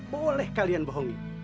boleh kalian bohongi